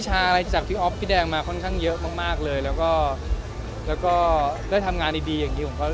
และก็ได้เจอกับภิกษาอัลด์แดงด้วย